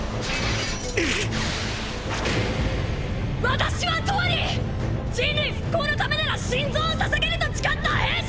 私はとうに人類復興のためなら心臓を捧げると誓った兵士！